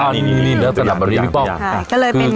อ๋อนี่แล้วสำหรับบริษัทพี่ป้อง